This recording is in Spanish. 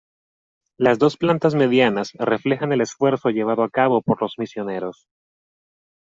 Las dos plantas medianas reflejan el esfuerzo llevado a cabo por los misioneros.